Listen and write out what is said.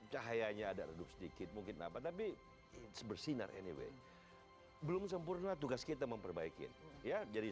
cahayanya ada redup sedikit mungkin apa tapi sebersinar anyway belum sempurna tugas kita memperbaiki ya jadi